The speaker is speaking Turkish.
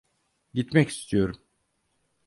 Gitmek istiyorum.